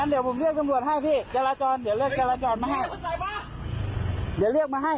งั้นเดี๋ยวผมเรียกตำรวจให้พี่เจราจรเดี๋ยวเรียกเจราจรมาให้